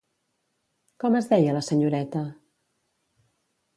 Com es deia la senyoreta?